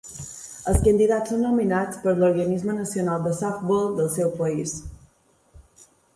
Els candidats són nominats pel l'organisme nacional de softbol del seu país.